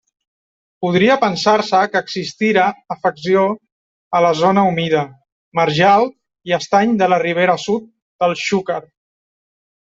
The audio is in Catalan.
Podria pensar-se que existira afecció a la zona humida: marjal i estany de la ribera sud del Xúquer.